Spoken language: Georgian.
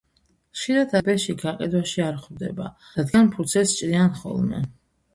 ხშირად ასეთი ტეტ-ბეში გაყიდვაში არ ხვდება, რადგან ფურცელს ჭრიან ხოლმე.